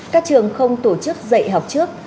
các trường không tổ chức dạy học trước